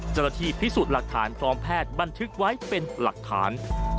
เจ้าหน้าที่พิสูจน์หลักฐานพร้อมแพทย์บันทึกไว้เป็นหลักฐาน